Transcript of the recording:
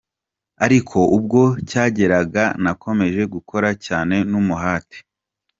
Ariko ubwo cyageraga, nakomeje gukora cyane n'umuhate.